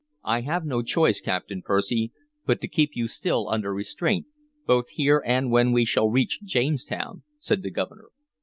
"I have no choice, Captain Percy, but to keep you still under restraint, both here and when we shall reach Jamestown," said the Governor.